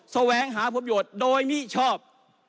แสวงหาพบโยชน์โดยมิชอบ